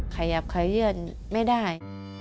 ขยับขายเลื่อนไม่ได้